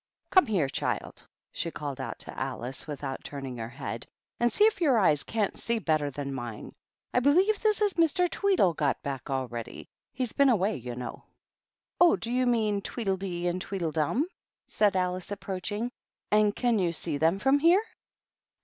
"Come here, child," she called out to Alice, without turning her head, " and see if your eyes can't see better than mine. I believe this is Mr. Tweedle got back already. He's been away, you know/' 267 268 THE TWEEDLES. " Oh, do you mean Tweedle Dee and TweedL Dum?" said Alice, approaching; "and can yoi see them from here?"